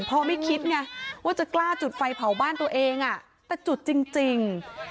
เพราะไม่คิดไงว่าจะกล้าจุดไฟเผาบ้านตัวเองแต่จุดจริง